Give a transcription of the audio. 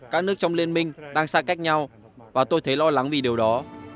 các nước trong liên minh đang xa cách nhau và tôi thấy lo lắng vì điều đó